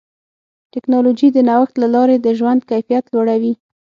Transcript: ټکنالوجي د نوښت له لارې د ژوند کیفیت لوړوي.